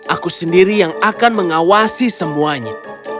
aku sendiri yang akan mengawasi semuanya